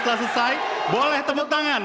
telah selesai boleh tepuk tangan